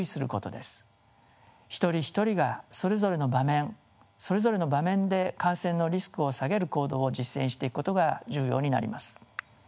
一人一人がそれぞれの場面それぞれの場面で感染のリスクを下げる行動を実践していくことが重要になります。